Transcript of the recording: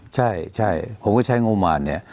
ใช่ใช่ผมก็ใช้งบประมาณเนี่ย